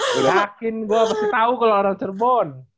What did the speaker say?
makin gue pasti tahu kalau orang cirebon